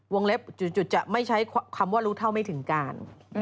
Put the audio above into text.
เล็บจุดจะไม่ใช้คำว่ารู้เท่าไม่ถึงการ